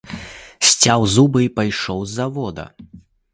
Сцяў зубы і пайшоў з завода.